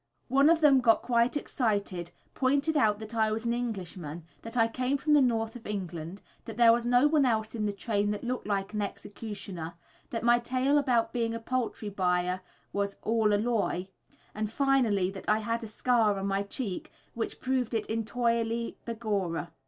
One of them got quite excited, pointed out that I was an Englishman, that I came from the North of England, that there was no one else in the train that looked like an executioner, that my tale about being a poultry buyer was "all a loie," and finally that I had a scar on my cheek which "proved it intoirely, begorra!"